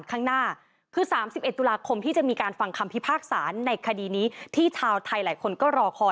ข้างหน้าคือ๓๑ตุลาคมที่จะมีการฟังคำพิพากษาในคดีนี้ที่ชาวไทยหลายคนก็รอคอย